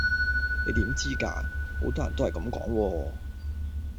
你點知㗎？好多人都係咁講喎